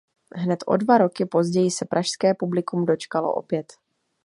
Hned o dva roky později se pražské publikum dočkalo opět.